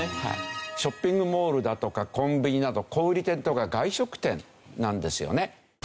ショッピングモールだとかコンビニなど小売店とか外食店なんですよね。